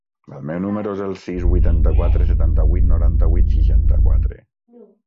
El meu número es el sis, vuitanta-quatre, setanta-vuit, noranta-vuit, seixanta-quatre.